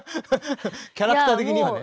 キャラクター的にはね。